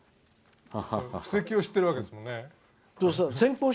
布石を知ってるわけですもんね。